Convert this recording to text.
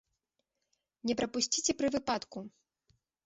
Не прапусціце пры выпадку!